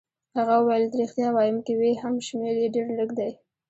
هغه وویل: ریښتیا وایم، که وي هم شمېر يې ډېر لږ دی.